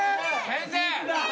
先生！